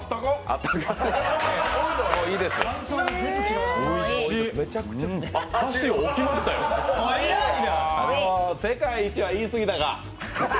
あ、もう、世界一は言い過ぎたか。